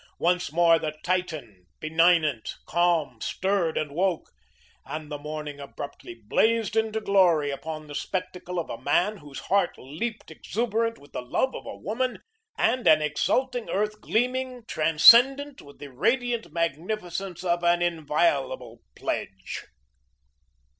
Once more the Titan, benignant, calm, stirred and woke, and the morning abruptly blazed into glory upon the spectacle of a man whose heart leaped exuberant with the love of a woman, and an exulting earth gleaming transcendent with the radiant magnificence of an inviolable pledge.